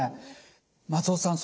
松尾さん